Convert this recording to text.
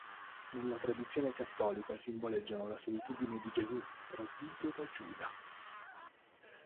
Nella tradizione cattolica simboleggiano la solitudine di Gesù, tradito da Giuda.